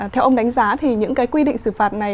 theo ông đánh giá thì những cái quy định xử phạt này